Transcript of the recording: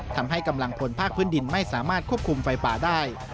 ทำให้กำลังพลภาคพื้นดินไม่สามารถควบคุมไฟป่าได้